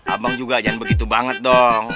abang juga jangan begitu banget dong